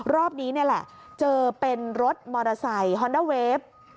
รอบนี้นี่แหละเจอเป็นรถมอเตอร์ไซค์ฮอนด้าเวฟ